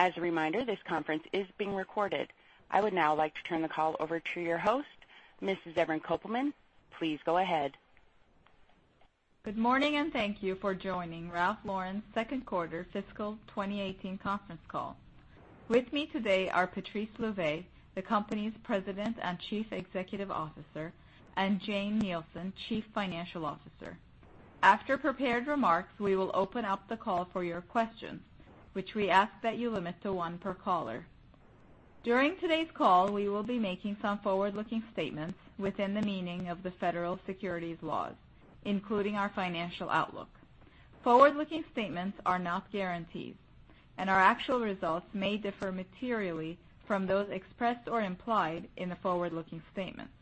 As a reminder, this conference is being recorded. I would now like to turn the call over to your host, Mrs. Evren Kopelman. Please go ahead. Good morning, thank you for joining Ralph Lauren's second quarter fiscal 2018 conference call. With me today are Patrice Louvet, the company's President and Chief Executive Officer, and Jane Nielsen, Chief Financial Officer. After prepared remarks, we will open up the call for your questions, which we ask that you limit to one per caller. During today's call, we will be making some forward-looking statements within the meaning of the federal securities laws, including our financial outlook. Forward-looking statements are not guarantees, and our actual results may differ materially from those expressed or implied in the forward-looking statements.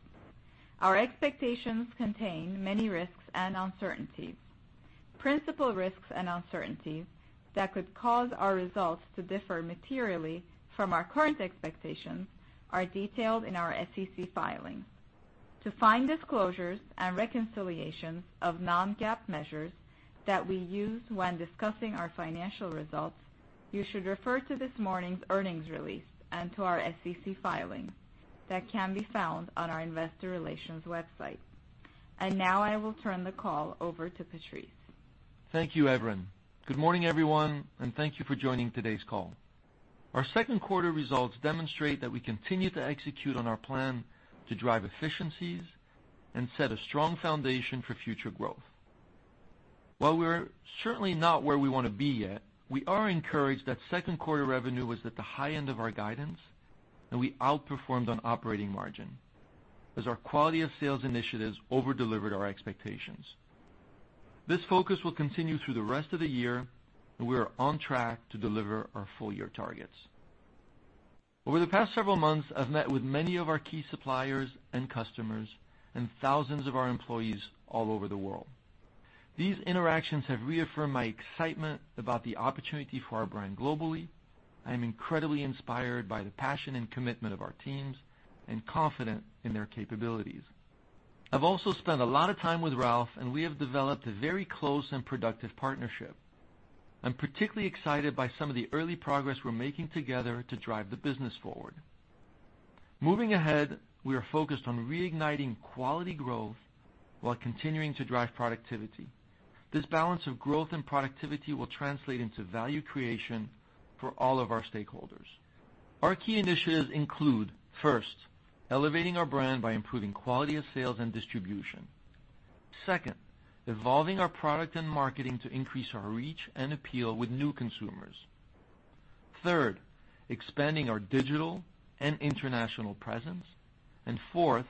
Our expectations contain many risks and uncertainties. Principal risks and uncertainties that could cause our results to differ materially from our current expectations are detailed in our SEC filings. To find disclosures and reconciliations of non-GAAP measures that we use when discussing our financial results, you should refer to this morning's earnings release and to our SEC filings that can be found on our investor relations website. Now I will turn the call over to Patrice. Thank you, Evren. Good morning, everyone, thank you for joining today's call. Our second quarter results demonstrate that we continue to execute on our plan to drive efficiencies and set a strong foundation for future growth. While we're certainly not where we want to be yet, we are encouraged that second quarter revenue was at the high end of our guidance, we outperformed on operating margin as our quality of sales initiatives over-delivered our expectations. This focus will continue through the rest of the year, we are on track to deliver our full-year targets. Over the past several months, I've met with many of our key suppliers and customers and thousands of our employees all over the world. These interactions have reaffirmed my excitement about the opportunity for our brand globally. I am incredibly inspired by the passion and commitment of our teams and confident in their capabilities. I've also spent a lot of time with Ralph, and we have developed a very close and productive partnership. I'm particularly excited by some of the early progress we're making together to drive the business forward. Moving ahead, we are focused on reigniting quality growth while continuing to drive productivity. This balance of growth and productivity will translate into value creation for all of our stakeholders. Our key initiatives include, first, elevating our brand by improving quality of sales and distribution. Second, evolving our product and marketing to increase our reach and appeal with new consumers. Third, expanding our digital and international presence. Fourth,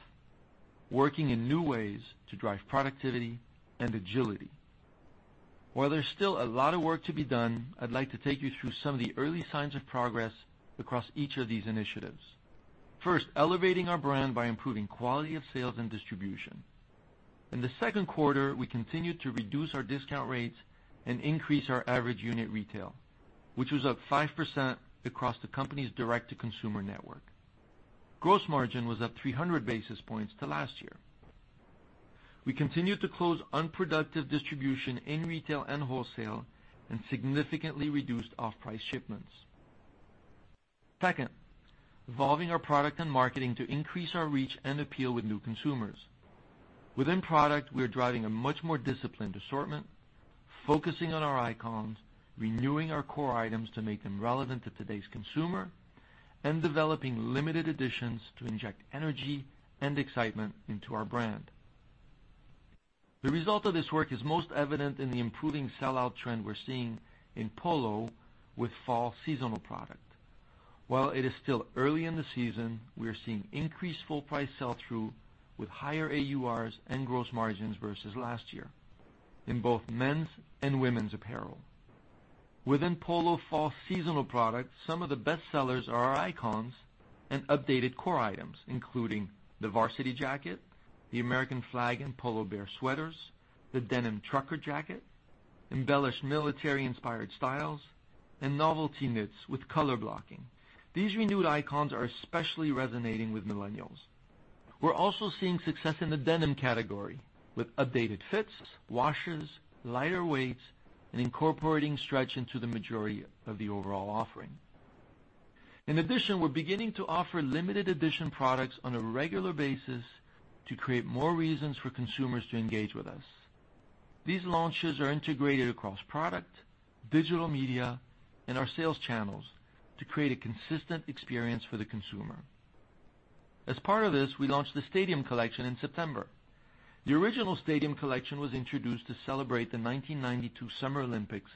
working in new ways to drive productivity and agility. While there's still a lot of work to be done, I'd like to take you through some of the early signs of progress across each of these initiatives. First, elevating our brand by improving quality of sales and distribution. In the second quarter, we continued to reduce our discount rates and increase our average unit retail, which was up 5% across the company's direct-to-consumer network. Gross margin was up 300 basis points to last year. We continued to close unproductive distribution in retail and wholesale and significantly reduced off-price shipments. Second, evolving our product and marketing to increase our reach and appeal with new consumers. Within product, we are driving a much more disciplined assortment, focusing on our icons, renewing our core items to make them relevant to today's consumer, and developing limited editions to inject energy and excitement into our brand. The result of this work is most evident in the improving sell-out trend we're seeing in Polo with fall seasonal product. While it is still early in the season, we are seeing increased full price sell-through with higher AURs and gross margins versus last year in both men's and women's apparel. Within Polo fall seasonal products, some of the best sellers are our icons and updated core items, including the varsity jacket, the American flag, and Polo Bear sweaters, the denim trucker jacket, embellished military-inspired styles, and novelty knits with color blocking. These renewed icons are especially resonating with millennials. We're also seeing success in the denim category with updated fits, washes, lighter weights, and incorporating stretch into the majority of the overall offering. In addition, we're beginning to offer limited edition products on a regular basis to create more reasons for consumers to engage with us. These launches are integrated across product, digital media, and our sales channels to create a consistent experience for the consumer. As part of this, we launched the Stadium collection in September. The original Stadium collection was introduced to celebrate the 1992 Summer Olympics,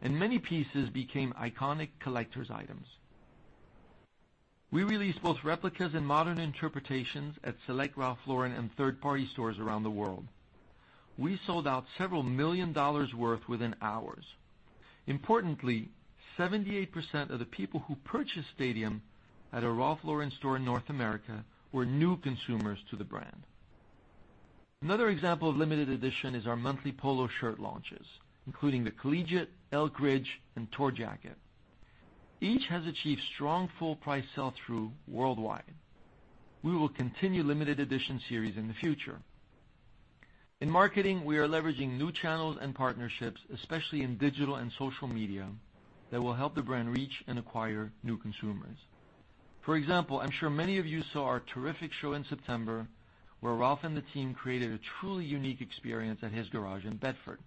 and many pieces became iconic collectors items. We released both replicas and modern interpretations at select Ralph Lauren and third-party stores around the world. We sold out several million dollars worth within hours. Importantly, 78% of the people who purchased Stadium at a Ralph Lauren store in North America were new consumers to the brand. Another example of limited edition is our monthly Polo shirt launches, including the Collegiate, Elkridge, and Tour Jacket. Each has achieved strong, full price sell-through worldwide. We will continue limited edition series in the future. In marketing, we are leveraging new channels and partnerships, especially in digital and social media, that will help the brand reach and acquire new consumers. For example, I'm sure many of you saw our terrific show in September, where Ralph and the team created a truly unique experience at his garage in Bedford.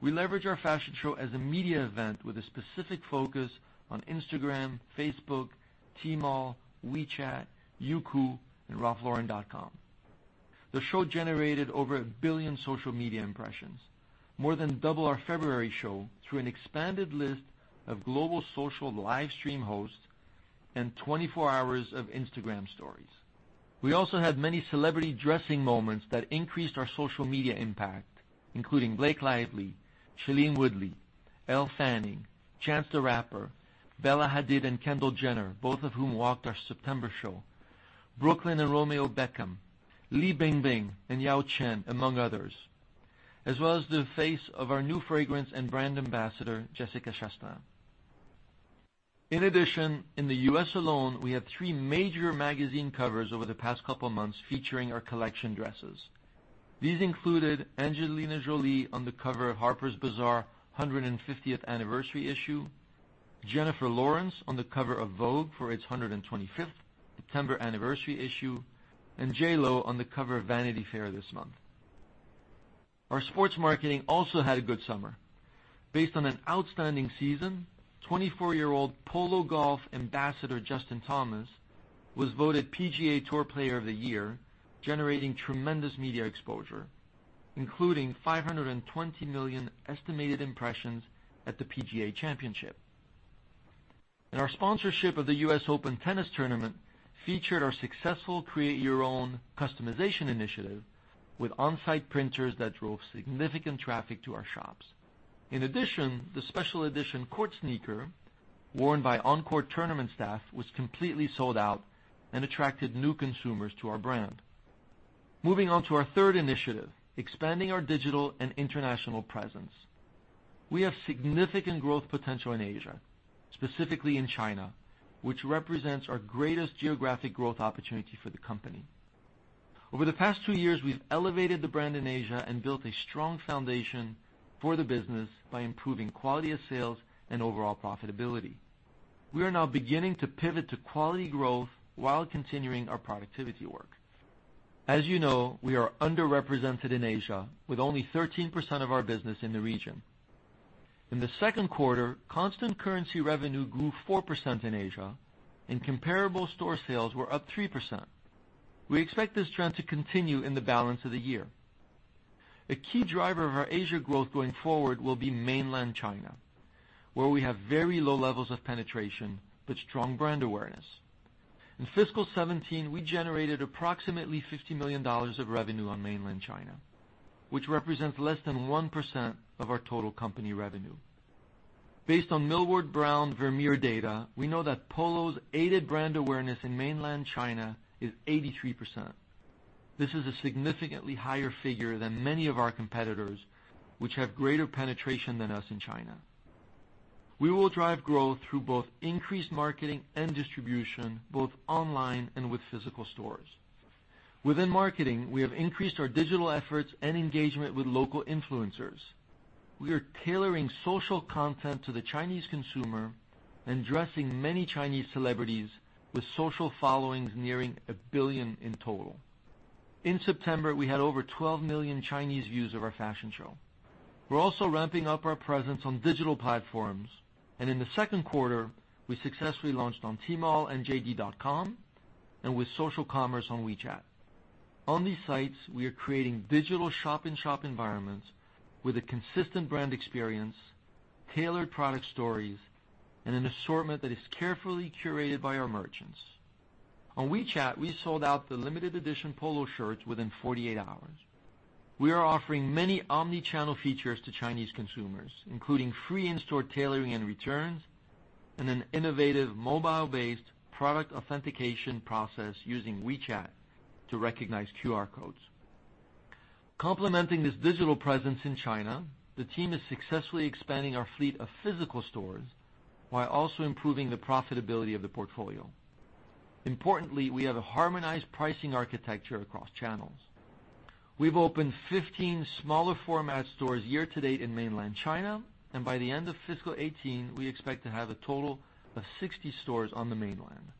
We leverage our fashion show as a media event with a specific focus on Instagram, Facebook, Tmall, WeChat, Youku, and ralphlauren.com. The show generated over a billion social media impressions, more than double our February show, through an expanded list of global social live stream hosts and 24 hours of Instagram stories. We also had many celebrity dressing moments that increased our social media impact, including Blake Lively, Shailene Woodley, Elle Fanning, Chance the Rapper, Bella Hadid, and Kendall Jenner, both of whom walked our September show. Brooklyn and Romeo Beckham, Li Bingbing, and Yao Chen, among others. As well as the face of our new fragrance and brand ambassador, Jessica Chastain. In addition, in the U.S. alone, we had three major magazine covers over the past couple of months featuring our collection dresses. These included Angelina Jolie on the cover of Harper's Bazaar 150th anniversary issue, Jennifer Lawrence on the cover of Vogue for its 125th September anniversary issue, and J.Lo on the cover of Vanity Fair this month. Our sports marketing also had a good summer. Based on an outstanding season, 24-year-old Polo golf ambassador, Justin Thomas, was voted PGA Tour Player of the Year, generating tremendous media exposure, including 520 million estimated impressions at the PGA Championship. Our sponsorship of the U.S. Open Tennis Championships featured our successful create your own customization initiative with on-site printers that drove significant traffic to our shops. In addition, the special edition court sneaker, worn by on-court tournament staff, was completely sold out and attracted new consumers to our brand. Moving on to our third initiative, expanding our digital and international presence. We have significant growth potential in Asia, specifically in China, which represents our greatest geographic growth opportunity for the company. Over the past two years, we've elevated the brand in Asia and built a strong foundation for the business by improving quality of sales and overall profitability. We are now beginning to pivot to quality growth while continuing our productivity work. As you know, we are underrepresented in Asia with only 13% of our business in the region. In the second quarter, constant currency revenue grew 4% in Asia and comparable store sales were up 3%. We expect this trend to continue in the balance of the year. A key driver of our Asia growth going forward will be mainland China, where we have very low levels of penetration but strong brand awareness. In FY 2017, we generated approximately $50 million of revenue on mainland China, which represents less than 1% of our total company revenue. Based on Millward Brown Vermeer data, we know that Polo's aided brand awareness in mainland China is 83%. This is a significantly higher figure than many of our competitors, which have greater penetration than us in China. We will drive growth through both increased marketing and distribution, both online and with physical stores. Within marketing, we have increased our digital efforts and engagement with local influencers. We are tailoring social content to the Chinese consumer and dressing many Chinese celebrities with social followings nearing a billion in total. In September, we had over 12 million Chinese views of our fashion show. We're also ramping up our presence on digital platforms, in the second quarter, we successfully launched on Tmall and JD.com and with social commerce on WeChat. On these sites, we are creating digital shop-in-shop environments with a consistent brand experience, tailored product stories, and an assortment that is carefully curated by our merchants. On WeChat, we sold out the limited edition Polo shirts within 48 hours. We are offering many omni-channel features to Chinese consumers, including free in-store tailoring and returns, and an innovative mobile-based product authentication process using WeChat to recognize QR codes. Complementing this digital presence in China, the team is successfully expanding our fleet of physical stores while also improving the profitability of the portfolio. Importantly, we have a harmonized pricing architecture across channels. We've opened 15 smaller format stores year to date in mainland China, by the end of fiscal 2018, we expect to have a total of 60 stores on the mainland.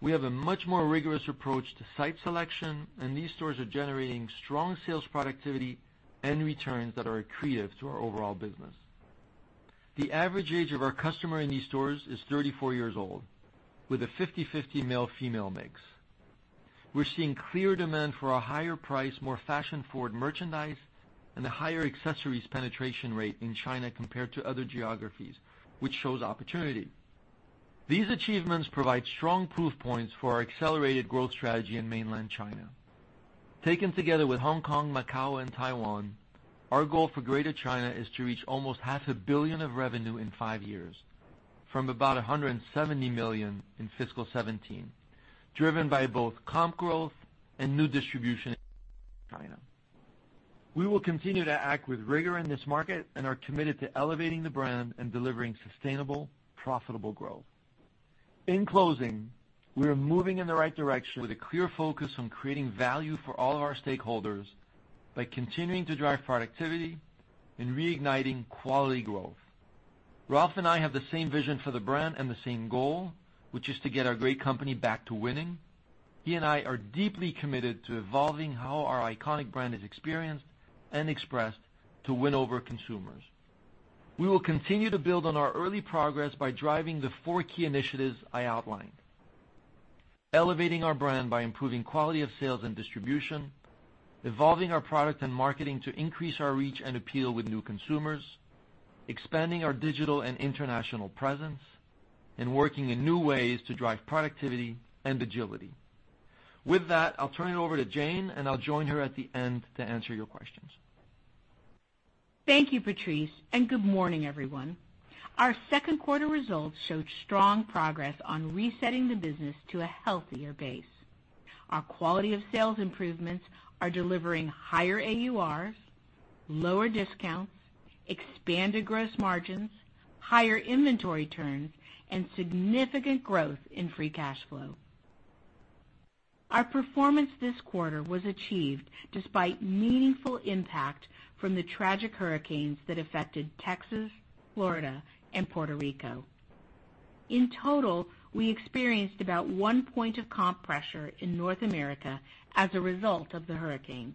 We have a much more rigorous approach to site selection, these stores are generating strong sales productivity and returns that are accretive to our overall business. The average age of our customer in these stores is 34 years old, with a 50/50 male/female mix. We're seeing clear demand for a higher price, more fashion-forward merchandise, a higher accessories penetration rate in China compared to other geographies, which shows opportunity. These achievements provide strong proof points for our accelerated growth strategy in mainland China. Taken together with Hong Kong, Macau, and Taiwan, our goal for Greater China is to reach almost half a billion of revenue in five years, from about $170 million in fiscal 2017, driven by both comp growth and new distribution in China. We will continue to act with rigor in this market and are committed to elevating the brand and delivering sustainable, profitable growth. In closing, we are moving in the right direction with a clear focus on creating value for all of our stakeholders by continuing to drive productivity and reigniting quality growth. Ralph and I have the same vision for the brand and the same goal, which is to get our great company back to winning. He and I are deeply committed to evolving how our iconic brand is experienced and expressed to win over consumers. We will continue to build on our early progress by driving the four key initiatives I outlined. Elevating our brand by improving quality of sales and distribution, evolving our product and marketing to increase our reach and appeal with new consumers, expanding our digital and international presence, working in new ways to drive productivity and agility. With that, I'll turn it over to Jane, I'll join her at the end to answer your questions. Thank you, Patrice, and good morning, everyone. Our second quarter results showed strong progress on resetting the business to a healthier base. Our quality of sales improvements are delivering higher AURs, lower discounts, expanded gross margins, higher inventory turns, and significant growth in free cash flow. Our performance this quarter was achieved despite meaningful impact from the tragic hurricanes that affected Texas, Florida, and Puerto Rico. In total, we experienced about one point of comp pressure in North America as a result of the hurricanes.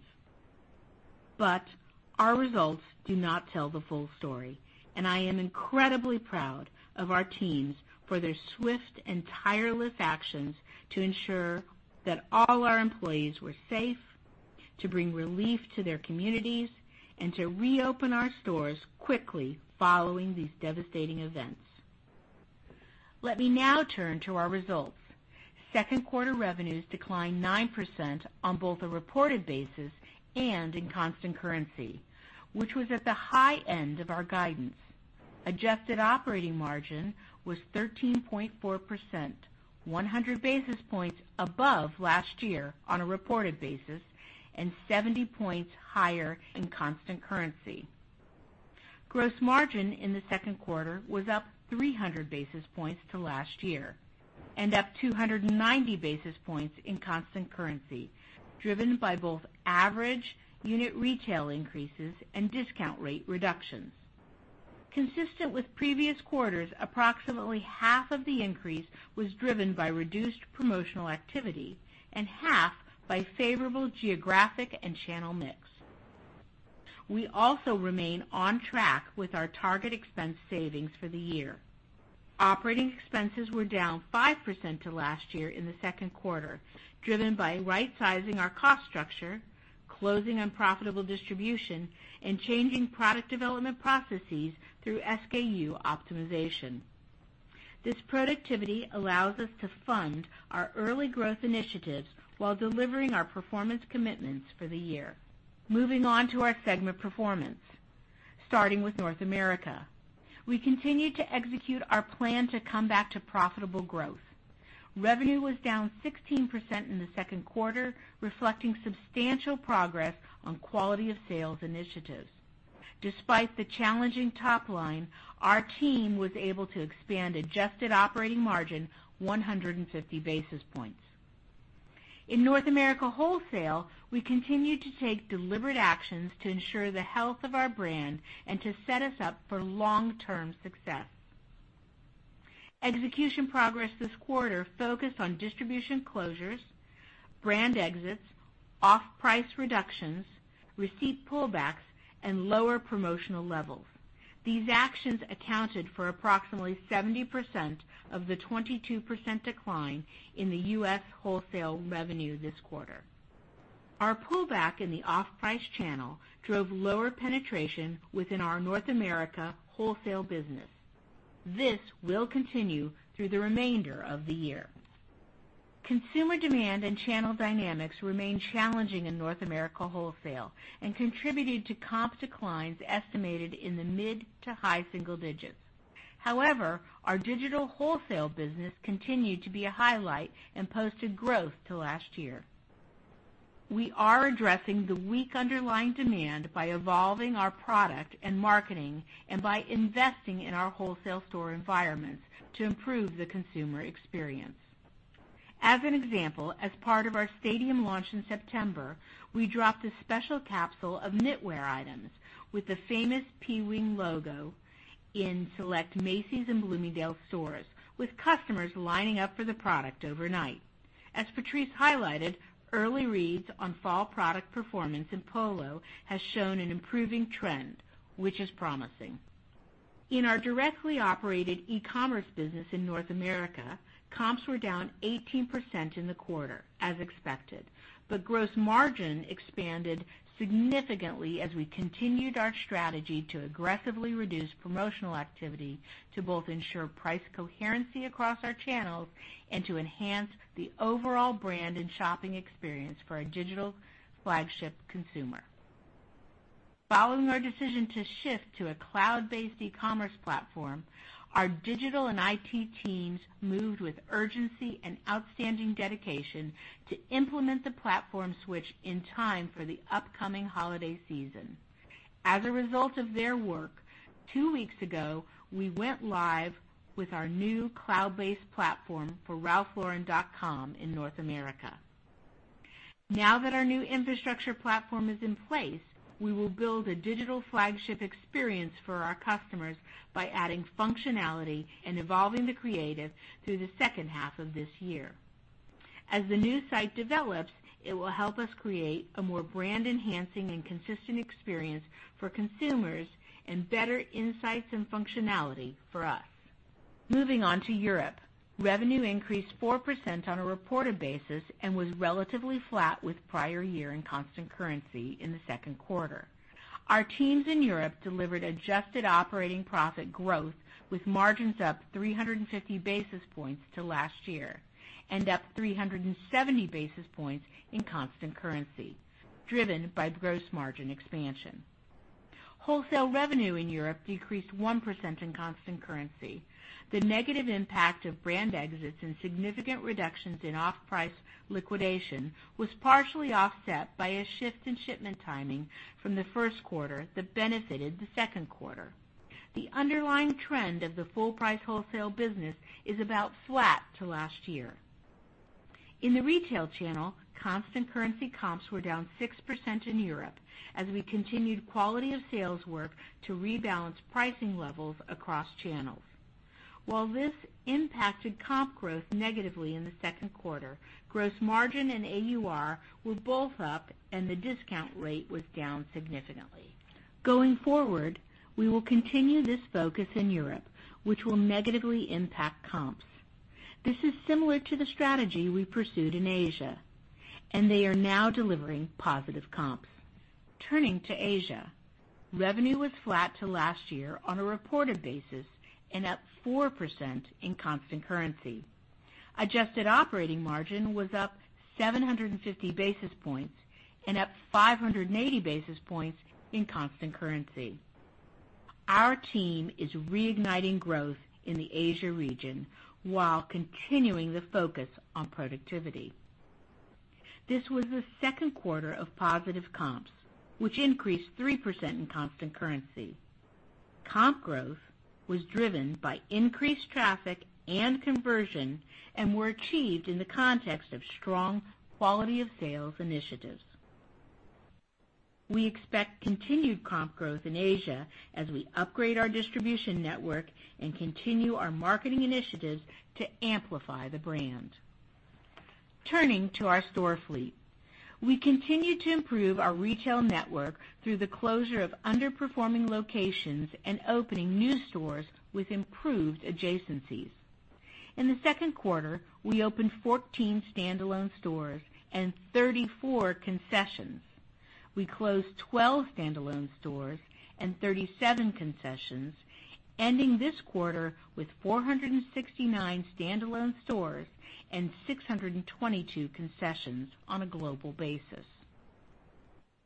Our results do not tell the full story, and I am incredibly proud of our teams for their swift and tireless actions to ensure that all our employees were safe, to bring relief to their communities, and to reopen our stores quickly following these devastating events. Let me now turn to our results. Second quarter revenues declined 9% on both a reported basis and in constant currency, which was at the high end of our guidance. Adjusted operating margin was 13.4%, 100 basis points above last year on a reported basis and 70 points higher in constant currency. Gross margin in the second quarter was up 300 basis points to last year and up 290 basis points in constant currency, driven by both average unit retail increases and discount rate reductions. Consistent with previous quarters, approximately half of the increase was driven by reduced promotional activity and half by favorable geographic and channel mix. We also remain on track with our target expense savings for the year. Operating expenses were down 5% to last year in the second quarter, driven by right-sizing our cost structure, closing unprofitable distribution, and changing product development processes through SKU optimization. This productivity allows us to fund our early growth initiatives while delivering our performance commitments for the year. Moving on to our segment performance, starting with North America. We continued to execute our plan to come back to profitable growth. Revenue was down 16% in the second quarter, reflecting substantial progress on quality of sales initiatives. Despite the challenging top line, our team was able to expand adjusted operating margin 150 basis points. In North America wholesale, we continued to take deliberate actions to ensure the health of our brand and to set us up for long-term success. Execution progress this quarter focused on distribution closures, brand exits, off-price reductions, receipt pullbacks, and lower promotional levels. These actions accounted for approximately 70% of the 22% decline in the U.S. wholesale revenue this quarter. Our pullback in the off-price channel drove lower penetration within our North America wholesale business. This will continue through the remainder of the year. Consumer demand and channel dynamics remain challenging in North America wholesale and contributed to comp declines estimated in the mid to high single digits. However, our digital wholesale business continued to be a highlight and posted growth to last year. We are addressing the weak underlying demand by evolving our product and marketing and by investing in our wholesale store environments to improve the consumer experience. As an example, as part of our Stadium launch in September, we dropped a special capsule of knitwear items with the famous P-Wing logo in select Macy's and Bloomingdale's stores, with customers lining up for the product overnight. As Patrice highlighted, early reads on fall product performance in Polo has shown an improving trend, which is promising. In our directly operated e-commerce business in North America, comps were down 18% in the quarter, as expected. Gross margin expanded significantly as we continued our strategy to aggressively reduce promotional activity to both ensure price coherency across our channels and to enhance the overall brand and shopping experience for a digital flagship consumer. Following our decision to shift to a cloud-based e-commerce platform, our digital and IT teams moved with urgency and outstanding dedication to implement the platform switch in time for the upcoming holiday season. As a result of their work, two weeks ago, we went live with our new cloud-based platform for ralphlauren.com in North America. Now that our new infrastructure platform is in place, we will build a digital flagship experience for our customers by adding functionality and evolving the creative through the second half of this year. As the new site develops, it will help us create a more brand-enhancing and consistent experience for consumers and better insights and functionality for us. Moving on to Europe. Revenue increased 4% on a reported basis and was relatively flat with prior year in constant currency in the second quarter. Our teams in Europe delivered adjusted operating profit growth with margins up 350 basis points to last year, and up 370 basis points in constant currency, driven by gross margin expansion. Wholesale revenue in Europe decreased 1% in constant currency. The negative impact of brand exits and significant reductions in off-price liquidation was partially offset by a shift in shipment timing from the first quarter that benefited the second quarter. The underlying trend of the full-price wholesale business is about flat to last year. In the retail channel, constant currency comps were down 6% in Europe as we continued quality of sales work to rebalance pricing levels across channels. This impacted comp growth negatively in the second quarter, gross margin and AUR were both up, and the discount rate was down significantly. Going forward, we will continue this focus in Europe, which will negatively impact comps. This is similar to the strategy we pursued in Asia, and they are now delivering positive comps. Turning to Asia. Revenue was flat to last year on a reported basis and up 4% in constant currency. Adjusted operating margin was up 750 basis points and up 580 basis points in constant currency. Our team is reigniting growth in the Asia region while continuing the focus on productivity. This was the second quarter of positive comps, which increased 3% in constant currency. Comp growth was driven by increased traffic and conversion and were achieved in the context of strong quality-of-sales initiatives. We expect continued comp growth in Asia as we upgrade our distribution network and continue our marketing initiatives to amplify the brand. Turning to our store fleet. We continue to improve our retail network through the closure of underperforming locations and opening new stores with improved adjacencies. In the second quarter, we opened 14 standalone stores and 34 concessions. We closed 12 standalone stores and 37 concessions, ending this quarter with 469 standalone stores and 622 concessions on a global basis.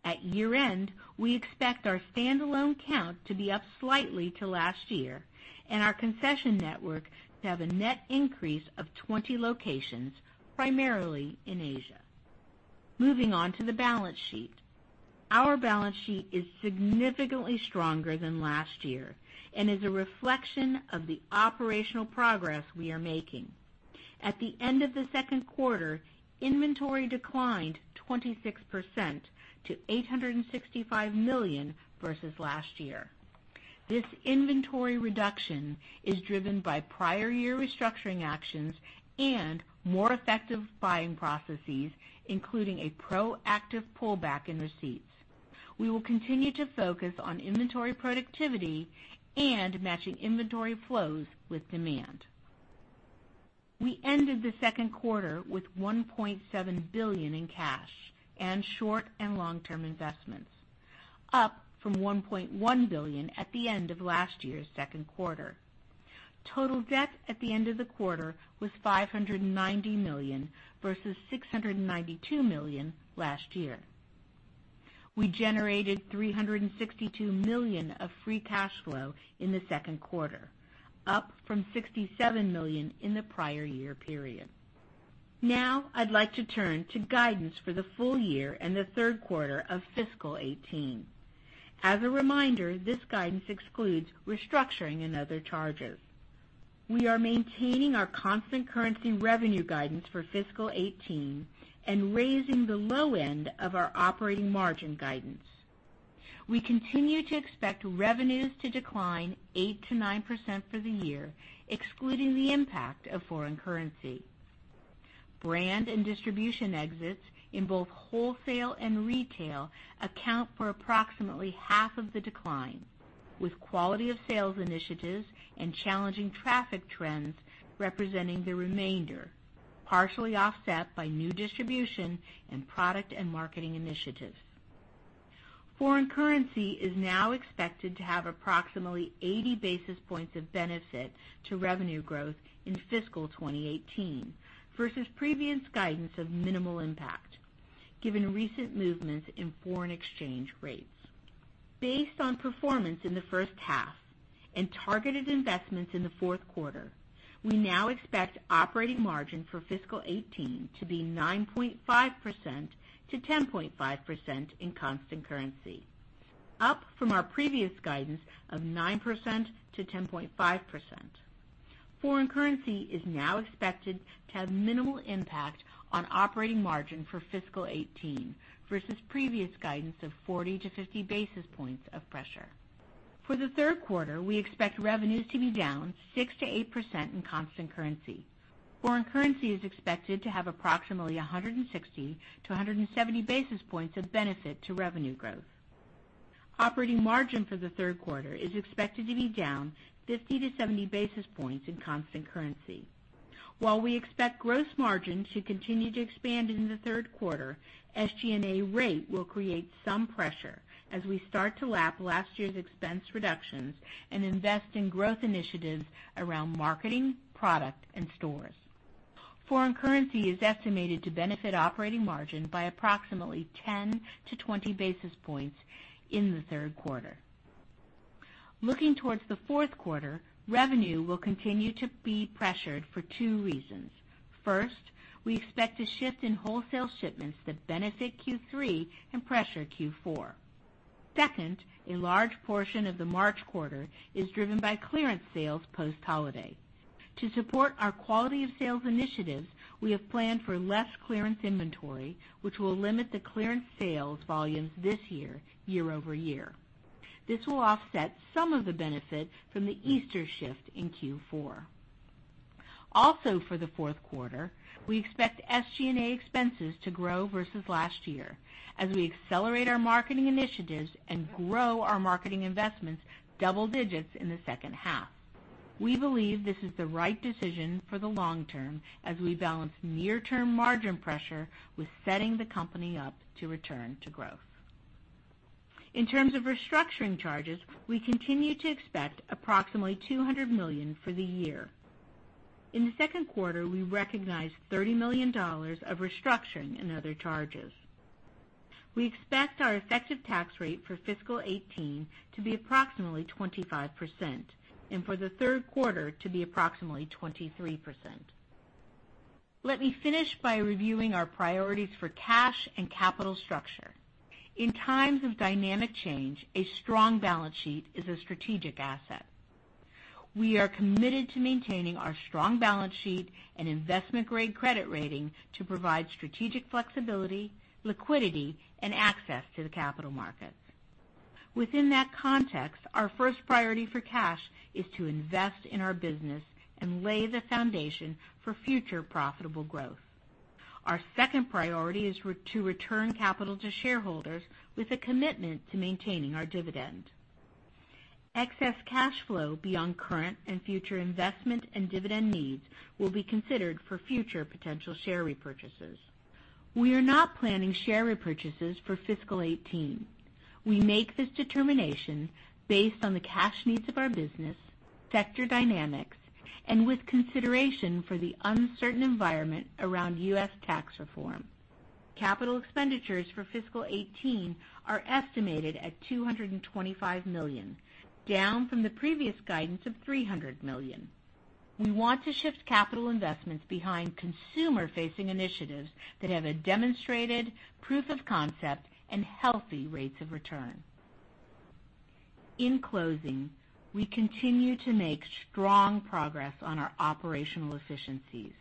At year-end, we expect our standalone count to be up slightly to last year and our concession network to have a net increase of 20 locations, primarily in Asia. Moving on to the balance sheet. Our balance sheet is significantly stronger than last year and is a reflection of the operational progress we are making. At the end of the second quarter, inventory declined 26% to $865 million versus last year. This inventory reduction is driven by prior year restructuring actions and more effective buying processes, including a proactive pullback in receipts. We will continue to focus on inventory productivity and matching inventory flows with demand. We ended the second quarter with $1.7 billion in cash and short and long-term investments, up from $1.1 billion at the end of last year's second quarter. Total debt at the end of the quarter was $590 million versus $692 million last year. We generated $362 million of free cash flow in the second quarter, up from $67 million in the prior year period. I'd like to turn to guidance for the full year and the third quarter of fiscal 2018. As a reminder, this guidance excludes restructuring and other charges. We are maintaining our constant currency revenue guidance for fiscal 2018 and raising the low end of our operating margin guidance. We continue to expect revenues to decline 8%-9% for the year, excluding the impact of foreign currency. Brand and distribution exits in both wholesale and retail account for approximately half of the decline, with quality of sales initiatives and challenging traffic trends representing the remainder, partially offset by new distribution and product and marketing initiatives. Foreign currency is now expected to have approximately 80 basis points of benefit to revenue growth in fiscal 2018 versus previous guidance of minimal impact, given recent movements in foreign exchange rates. Based on performance in the first half and targeted investments in the fourth quarter, we now expect operating margin for fiscal 2018 to be 9.5%-10.5% in constant currency, up from our previous guidance of 9%-10.5%. Foreign currency is now expected to have minimal impact on operating margin for fiscal 2018 versus previous guidance of 40-50 basis points of pressure. For the third quarter, we expect revenues to be down 6%-8% in constant currency. Foreign currency is expected to have approximately 160-170 basis points of benefit to revenue growth. Operating margin for the third quarter is expected to be down 50-70 basis points in constant currency. While we expect gross margin to continue to expand in the third quarter, SG&A rate will create some pressure as we start to lap last year's expense reductions and invest in growth initiatives around marketing, product, and stores. Foreign currency is estimated to benefit operating margin by approximately 10-20 basis points in the third quarter. Looking towards the fourth quarter, revenue will continue to be pressured for two reasons. First, we expect a shift in wholesale shipments that benefit Q3 and pressure Q4. Second, a large portion of the March quarter is driven by clearance sales post-holiday. To support our quality of sales initiatives, we have planned for less clearance inventory, which will limit the clearance sales volumes this year-over-year. This will offset some of the benefit from the Easter shift in Q4. For the fourth quarter, we expect SG&A expenses to grow versus last year as we accelerate our marketing initiatives and grow our marketing investments double digits in the second half. We believe this is the right decision for the long term as we balance near-term margin pressure with setting the company up to return to growth. In terms of restructuring charges, we continue to expect approximately $200 million for the year. In the second quarter, we recognized $30 million of restructuring and other charges. We expect our effective tax rate for fiscal 2018 to be approximately 25% and for the third quarter to be approximately 23%. Let me finish by reviewing our priorities for cash and capital structure. In times of dynamic change, a strong balance sheet is a strategic asset. We are committed to maintaining our strong balance sheet and investment-grade credit rating to provide strategic flexibility, liquidity, and access to the capital markets. Within that context, our first priority for cash is to invest in our business and lay the foundation for future profitable growth. Our second priority is to return capital to shareholders with a commitment to maintaining our dividend. Excess cash flow beyond current and future investment and dividend needs will be considered for future potential share repurchases. We are not planning share repurchases for fiscal 2018. We make this determination based on the cash needs of our business, sector dynamics, and with consideration for the uncertain environment around U.S. tax reform. Capital expenditures for fiscal 2018 are estimated at $225 million, down from the previous guidance of $300 million. We want to shift capital investments behind consumer-facing initiatives that have a demonstrated proof of concept and healthy rates of return. In closing, we continue to make strong progress on our operational efficiencies.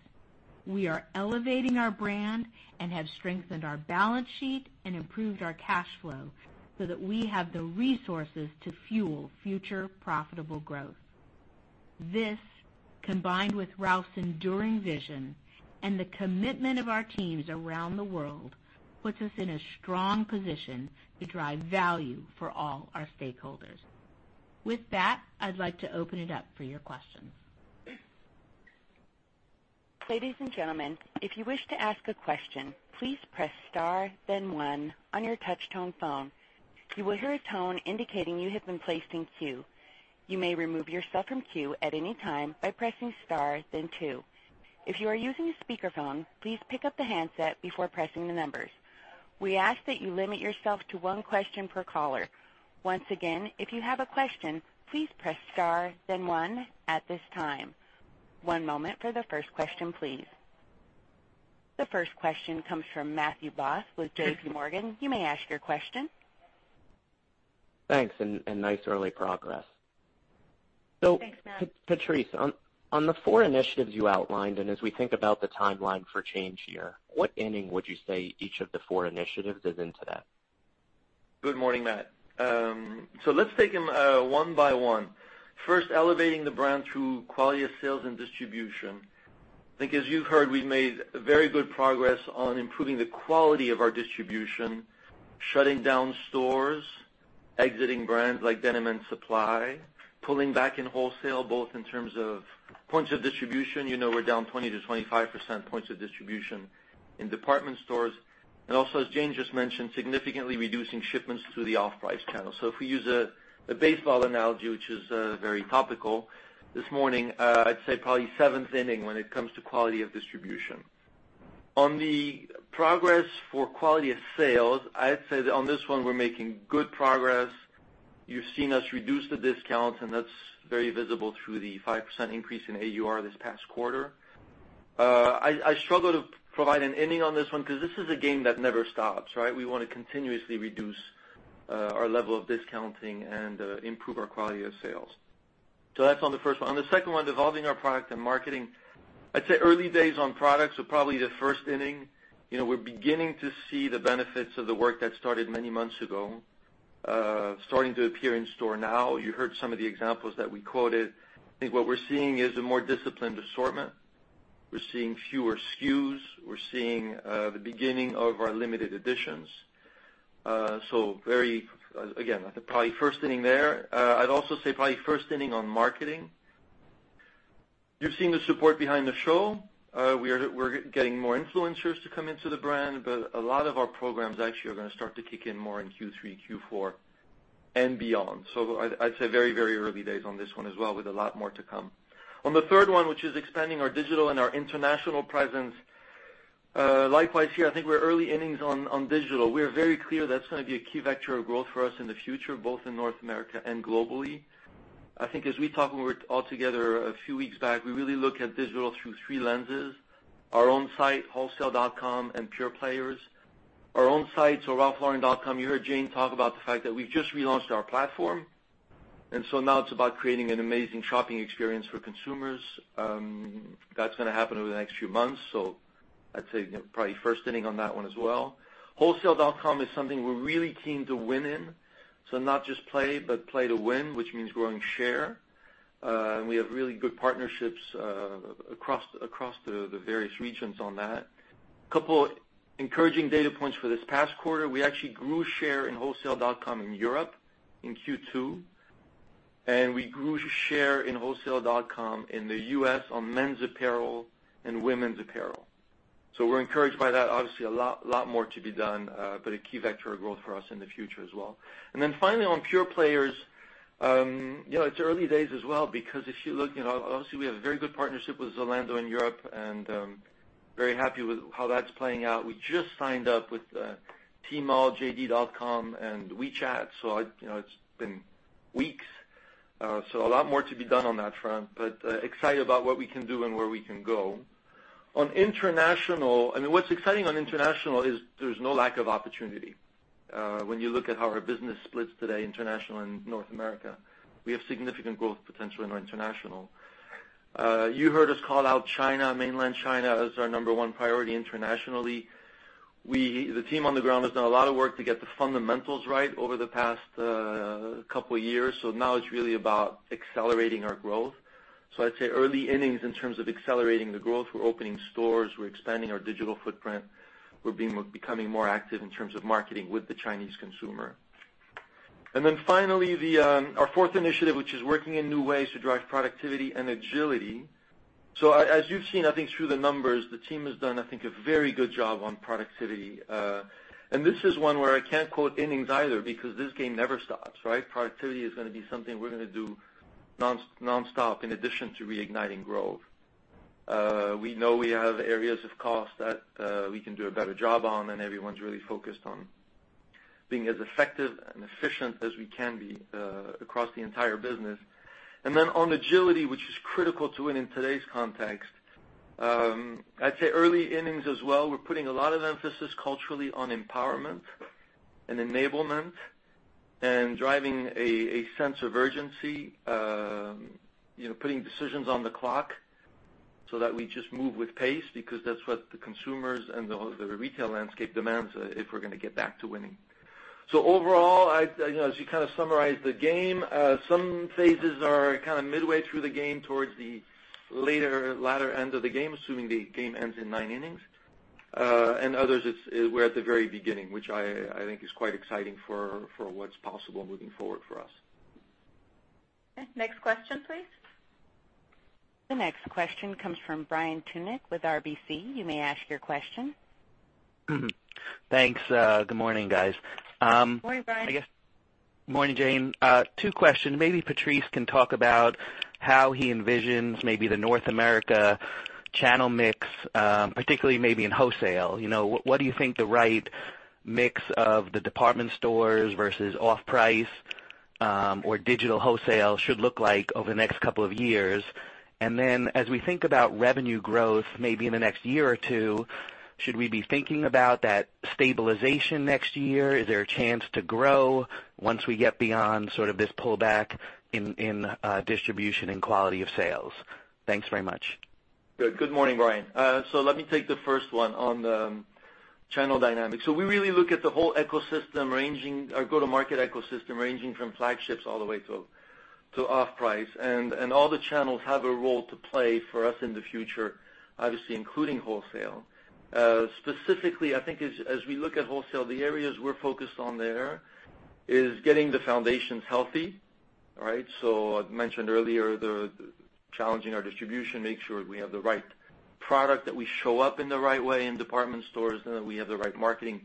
We are elevating our brand and have strengthened our balance sheet and improved our cash flow so that we have the resources to fuel future profitable growth. This, combined with Ralph's enduring vision and the commitment of our teams around the world, puts us in a strong position to drive value for all our stakeholders. With that, I'd like to open it up for your questions. Ladies and gentlemen, if you wish to ask a question, please press star then one on your touchtone phone. You will hear a tone indicating you have been placed in queue. You may remove yourself from queue at any time by pressing star then two. If you are using a speakerphone, please pick up the handset before pressing the numbers. We ask that you limit yourself to one question per caller. Once again, if you have a question, please press star then one at this time. One moment for the first question, please. The first question comes from Matthew Boss with JPMorgan. You may ask your question. Thanks, nice early progress. Thanks, Matt. Patrice, on the four initiatives you outlined, as we think about the timeline for change here, what inning would you say each of the four initiatives is into that? Good morning, Matt. Let's take them one by one. First, elevating the brand through quality of sales and distribution. I think as you've heard, we've made very good progress on improving the quality of our distribution, shutting down stores, exiting brands like Denim & Supply, pulling back in wholesale, both in terms of points of distribution. You know we're down 20%-25% points of distribution in department stores. Also, as Jane just mentioned, significantly reducing shipments through the off-price channel. If we use a baseball analogy, which is very topical this morning, I'd say probably seventh inning when it comes to quality of distribution. On the progress for quality of sales, I'd say that on this one, we're making good progress. You've seen us reduce the discounts, and that's very visible through the 5% increase in AUR this past quarter. I struggle to provide an inning on this one because this is a game that never stops, right? We want to continuously reduce our level of discounting and improve our quality of sales. That's on the first one. On the second one, evolving our product and marketing. I'd say early days on products, probably the first inning. We're beginning to see the benefits of the work that started many months ago, starting to appear in store now. You heard some of the examples that we quoted. I think what we're seeing is a more disciplined assortment. We're seeing fewer SKUs. We're seeing the beginning of our limited editions. Again, probably first inning there. I'd also say probably first inning on marketing. You've seen the support behind the show. We're getting more influencers to come into the brand. A lot of our programs actually are going to start to kick in more in Q3, Q4, and beyond. I'd say very early days on this one as well, with a lot more to come. On the third one, which is expanding our digital and our international presence. Likewise here, I think we're early innings on digital. We are very clear that's going to be a key vector of growth for us in the future, both in North America and globally. I think as we talk, when we were all together a few weeks back, we really look at digital through three lenses, our own site, wholesale.com, and pure players. Our own site, ralphlauren.com, you heard Jane talk about the fact that we've just relaunched our platform. Now it's about creating an amazing shopping experience for consumers. That's going to happen over the next few months. I'd say probably first inning on that one as well. Wholesale.com is something we're really keen to win in. Not just play, but play to win, which means growing share. We have really good partnerships across the various regions on that. A couple encouraging data points for this past quarter. We actually grew share in wholesale.com in Europe in Q2, and we grew share in wholesale.com in the U.S. on men's apparel and women's apparel. We're encouraged by that. Obviously, a lot more to be done, but a key vector of growth for us in the future as well. Finally, on pure players, it's early days as well because if you look, obviously we have a very good partnership with Zalando in Europe and very happy with how that's playing out. We just signed up with Tmall, JD.com, and WeChat. It's been weeks. A lot more to be done on that front, but excited about what we can do and where we can go. On international, what's exciting on international is there's no lack of opportunity. When you look at how our business splits today, international and North America, we have significant growth potential in our international. You heard us call out China, mainland China, as our number 1 priority internationally. The team on the ground has done a lot of work to get the fundamentals right over the past couple of years. Now it's really about accelerating our growth. I'd say early innings in terms of accelerating the growth. We're opening stores. We're expanding our digital footprint. We're becoming more active in terms of marketing with the Chinese consumer. Finally, our fourth initiative, which is working in new ways to drive productivity and agility. As you've seen, I think, through the numbers, the team has done, I think, a very good job on productivity. This is 1 where I can't quote innings either because this game never stops, right? Productivity is going to be something we're going to do nonstop in addition to reigniting growth. We know we have areas of cost that we can do a better job on. Everyone's really focused on being as effective and efficient as we can be across the entire business. On agility, which is critical to win in today's context, I'd say early innings as well. We're putting a lot of emphasis culturally on empowerment and enablement and driving a sense of urgency. Putting decisions on the clock so that we just move with pace because that's what the consumers and the retail landscape demands if we're going to get back to winning. Overall, as you summarize the game, some phases are kind of midway through the game towards the latter end of the game, assuming the game ends in nine innings. Others, we're at the very beginning, which I think is quite exciting for what's possible moving forward for us. Okay, next question, please. The next question comes from Brian Tunick with RBC. You may ask your question. Thanks. Good morning, guys. Morning, Brian. Morning, Jane. Two questions. Maybe Patrice can talk about how he envisions maybe the North America channel mix, particularly maybe in wholesale. What do you think the right mix of the department stores versus off-price, or digital wholesale should look like over the next couple of years? As we think about revenue growth, maybe in the next year or two, should we be thinking about that stabilization next year? Is there a chance to grow once we get beyond sort of this pullback in distribution and quality of sales? Thanks very much. Good morning, Brian. Let me take the first one on the channel dynamics. We really look at the go-to-market ecosystem ranging from flagships all the way to off-price. All the channels have a role to play for us in the future, obviously including wholesale. Specifically, I think as we look at wholesale, the areas we're focused on there is getting the foundations healthy. I mentioned earlier, challenging our distribution, make sure we have the right product, that we show up in the right way in department stores, and that we have the right marketing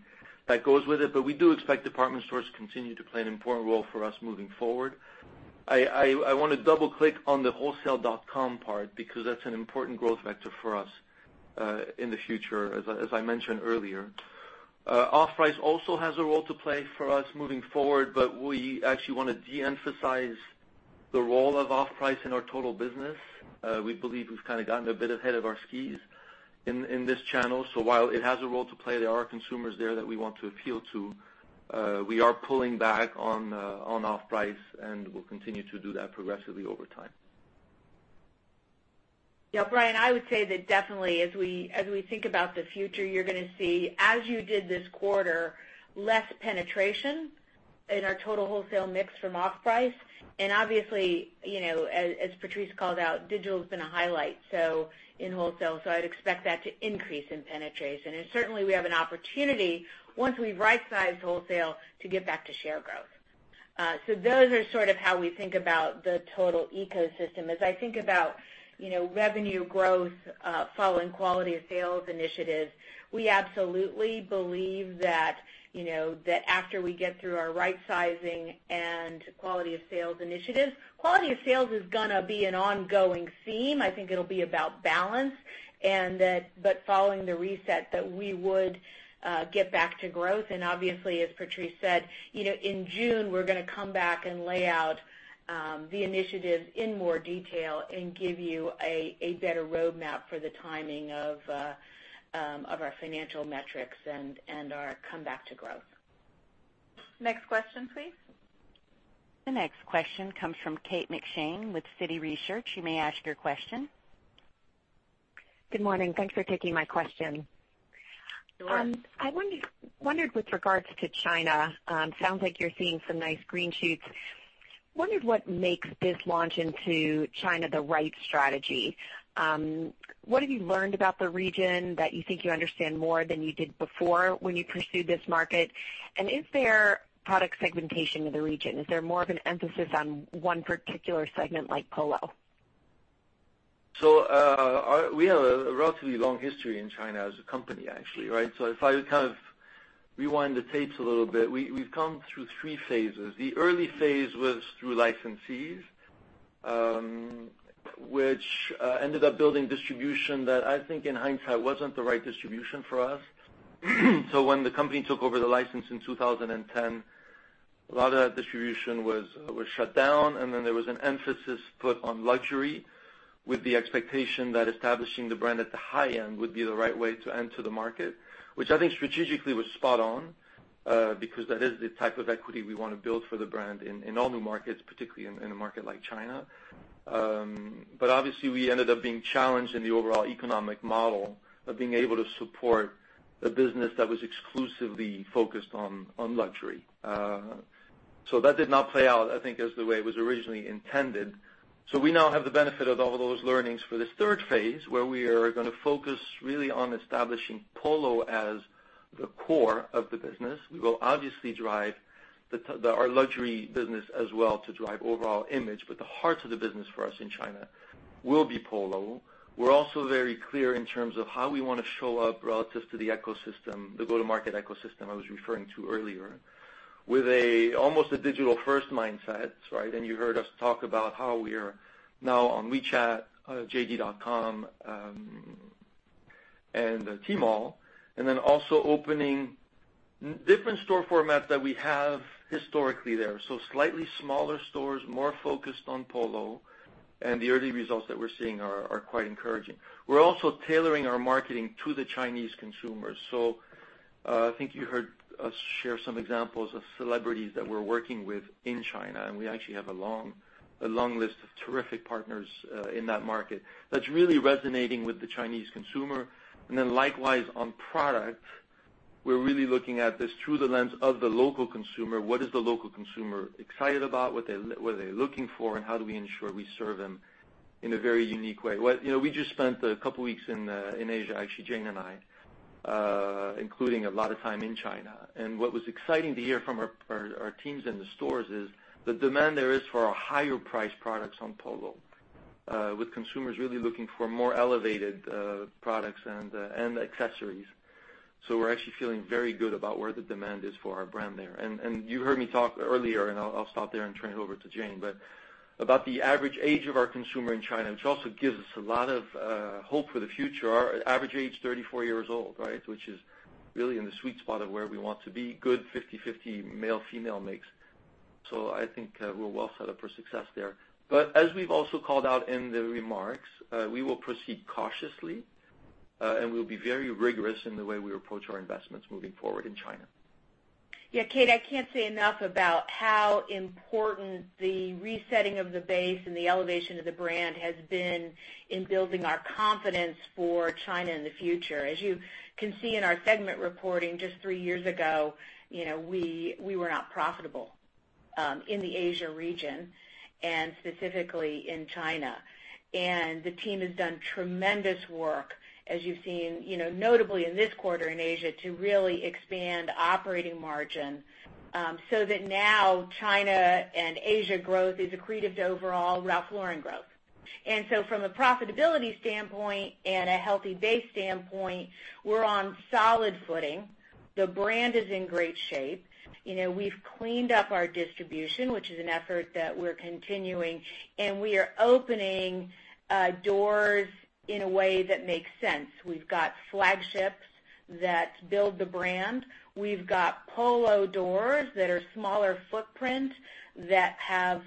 that goes with it. We do expect department stores to continue to play an important role for us moving forward. I want to double-click on the wholesale.com part because that's an important growth vector for us in the future, as I mentioned earlier. Off-price also has a role to play for us moving forward. We actually want to de-emphasize the role of off-price in our total business. We believe we've kind of gotten a bit ahead of our skis in this channel. While it has a role to play, there are consumers there that we want to appeal to. We are pulling back on off-price, and we'll continue to do that progressively over time. Yeah, Brian, I would say that definitely as we think about the future, you're gonna see, as you did this quarter, less penetration in our total wholesale mix from off-price. Obviously, as Patrice called out, digital has been a highlight in wholesale, so I'd expect that to increase in penetration. Certainly, we have an opportunity once we've right-sized wholesale to get back to share growth. Those are sort of how we think about the total ecosystem. As I think about revenue growth, following quality of sales initiatives, we absolutely believe that after we get through our right-sizing and quality of sales initiatives, quality of sales is gonna be an ongoing theme. I think it'll be about balance, but following the reset that we would get back to growth. Obviously, as Patrice said, in June, we're gonna come back and lay out the initiatives in more detail and give you a better roadmap for the timing of our financial metrics and our comeback to growth. Next question please. The next question comes from Kate McShane with Citi Research. You may ask your question. Good morning. Thanks for taking my question. Sure. I wondered with regards to China, sounds like you're seeing some nice green shoots. Wondered what makes this launch into China the right strategy. What have you learned about the region that you think you understand more than you did before when you pursued this market? Is there product segmentation in the region? Is there more of an emphasis on one particular segment like Polo? We have a relatively long history in China as a company, actually, right? If I kind of rewind the tapes a little bit, we've come through 3 phases. The early phase was through licensees, which ended up building distribution that I think in hindsight wasn't the right distribution for us. When the company took over the license in 2010, a lot of that distribution was shut down, there was an emphasis put on luxury with the expectation that establishing the brand at the high end would be the right way to enter the market. Which I think strategically was spot on, because that is the type of equity we want to build for the brand in all new markets, particularly in a market like China. Obviously, we ended up being challenged in the overall economic model of being able to support a business that was exclusively focused on luxury. That did not play out, I think, as the way it was originally intended. We now have the benefit of all those learnings for this third phase, where we are gonna focus really on establishing Polo as the core of the business. We will obviously drive our luxury business as well to drive overall image, the heart of the business for us in China will be Polo. We're also very clear in terms of how we wanna show up relative to the ecosystem, the go-to-market ecosystem I was referring to earlier, with almost a digital-first mindset, right? You heard us talk about how we are now on WeChat, JD.com, and Tmall, also opening different store formats that we have historically there. Slightly smaller stores, more focused on Polo, the early results that we're seeing are quite encouraging. We're also tailoring our marketing to the Chinese consumers. I think you heard us share some examples of celebrities that we're working with in China, we actually have a long list of terrific partners in that market that's really resonating with the Chinese consumer. Likewise on product, we're really looking at this through the lens of the local consumer. What is the local consumer excited about? What are they looking for, how do we ensure we serve them in a very unique way? We just spent a couple of weeks in Asia, actually, Jane and I, including a lot of time in China. What was exciting to hear from our teams in the stores is the demand there is for our higher priced products on Polo, with consumers really looking for more elevated products and accessories. We're actually feeling very good about where the demand is for our brand there. You heard me talk earlier, I'll stop there and turn it over to Jane, but about the average age of our consumer in China, which also gives us a lot of hope for the future. Our average age, 34 years old, right? Which is really in the sweet spot of where we want to be. Good 50/50 male-female mix. I think we're well set up for success there. As we've also called out in the remarks, we will proceed cautiously, we'll be very rigorous in the way we approach our investments moving forward in China. Kate, I can't say enough about how important the resetting of the base and the elevation of the brand has been in building our confidence for China in the future. As you can see in our segment reporting, just three years ago, we were not profitable in the Asia region, specifically in China. The team has done tremendous work, as you've seen, notably in this quarter in Asia, to really expand operating margin, so that now China and Asia growth is accretive to overall Ralph Lauren growth. From a profitability standpoint and a healthy base standpoint, we're on solid footing. The brand is in great shape. We've cleaned up our distribution, which is an effort that we're continuing, we are opening doors in a way that makes sense. We've got flagships that build the brand. We've got Polo doors that are smaller footprint that have